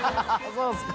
そうですか？